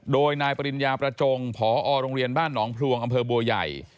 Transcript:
โดยนายปริญญาประจงพอโรงเรียนบ้านหนองพลวงอำเภอบัวใหญ่